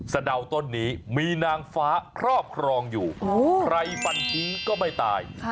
สะดาวต้นนี้มีนางฟ้าครอบครองอยู่ใครฟันทิ้งก็ไม่ตาย